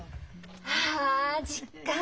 あ実感！